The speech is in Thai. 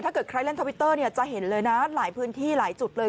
ถ้าเกิดใครเล่นทวิตเตอร์เนี่ยจะเห็นเลยนะหลายพื้นที่หลายจุดเลย